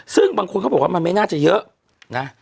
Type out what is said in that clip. ซึ่งบางคนเขาบอกว่ามันไม่น่าจะเยอะนะ